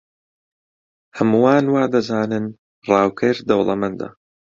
هەمووان وا دەزانن ڕاوکەر دەوڵەمەندە.